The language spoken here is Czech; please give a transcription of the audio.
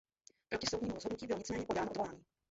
Proti soudnímu rozhodnutí bylo nicméně podáno odvolání.